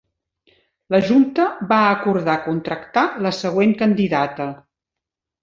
La junta va acordar contractar la següent candidata.